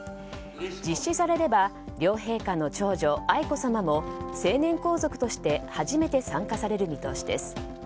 実施されれば両陛下の長女愛子さまも成年皇族として初めて参加される見通しです。